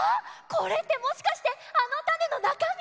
これってもしかしてあのタネのなかみ！？